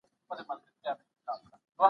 ډاکټر زیار د پښتو ادبیاتو پېژندل سوی شخصیت دئ.